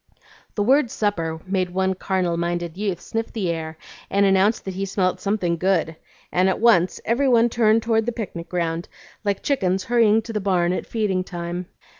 The word "supper" made one carnal minded youth sniff the air and announce that he smelt "something good;" and at once every one turned toward the picnic ground, like chickens hurrying to the barn at feeding time.